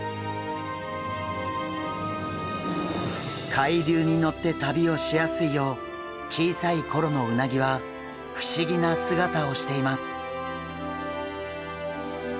海流に乗って旅をしやすいよう小さい頃のうなぎは不思議な姿をしています。